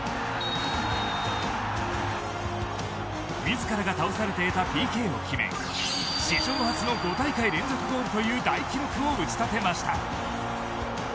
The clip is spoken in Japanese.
自らが倒されて得たＰＫを決め史上初の５大会連続ゴールという大記録を打ち立てました。